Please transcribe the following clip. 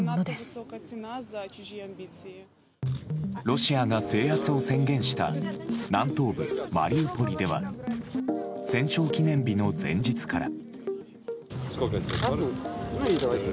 ロシアが制圧を宣言した南東部マリウポリでは戦勝記念日の前日から。